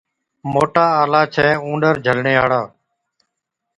موٽا آلا ڇَي اُونڏر جھلڻي هاڙا۔